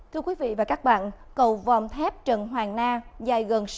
thưa quý vị và các bạn cầu vòm thép trần hoàng na dài gần sáu trăm linh m rộng hai mươi ba m